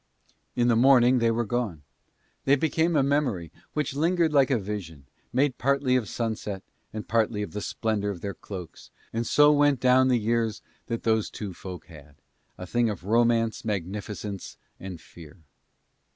In the morning they were gone. They became a memory, which lingered like a vision, made partly of sunset and partly of the splendour of their cloaks, and so went down the years that those two folk had, a thing of romance, magnificence and fear.